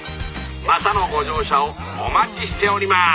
またのご乗車をお待ちしております」。